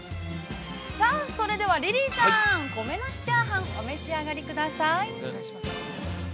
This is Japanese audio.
◆それでは、リリーさん、米なしチャーハン、お召し上がりください。